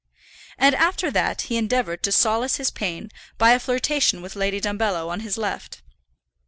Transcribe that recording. And after that he endeavoured to solace his pain by a flirtation with Lady Dumbello on his left.